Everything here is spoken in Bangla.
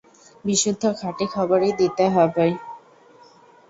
বিশুদ্ধ খাঁটি খবরই দিতে হয়।